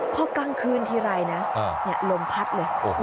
พอกลางคืนทีไรนะอืมเนี้ยลมพัดเลยโอ้โห